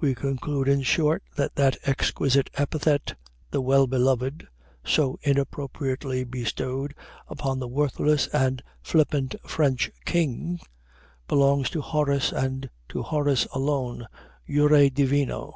We conclude, in short, that that exquisite epithet, "the well beloved," so inappropriately bestowed upon the worthless and flippant French King, belongs to Horace, and to Horace alone, jure divino.